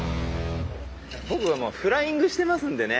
僕はフライングしてますんでね。